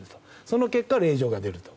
その結果令状が出ると。